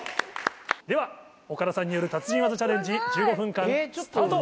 では岡田さんによる達人技チャレンジ１５分間スタート！